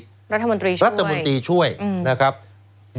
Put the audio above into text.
รัฐบนตรีช่วยนะครับอืม